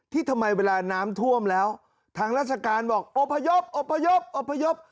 ทำไมเวลาน้ำท่วมแล้วทางราชการบอกอบพยพอพยพ